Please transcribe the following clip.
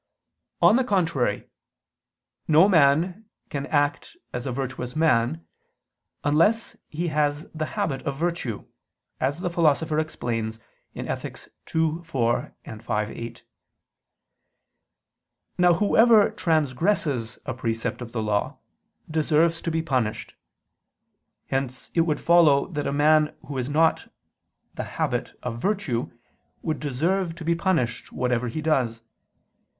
On the contrary, No man can act as a virtuous man acts unless he has the habit of virtue, as the Philosopher explains (Ethic. ii, 4; v, 8). Now whoever transgresses a precept of the law, deserves to be punished. Hence it would follow that a man who has not the habit of virtue, would deserve to be punished, whatever he does.